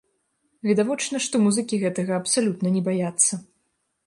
Відавочна, што музыкі гэтага абсалютна не баяцца.